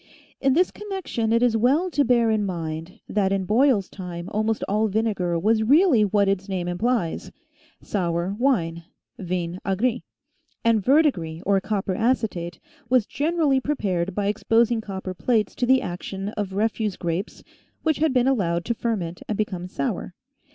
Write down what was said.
In this connection it is well to bear in mind that in Boyle's time almost all vinegar was really what its name implies sour wine (yin aigre] and verdegris or copper acetate was generally prepared by exposing copper plates to the action of refuse grapes which had been allowed to ferment and become sour.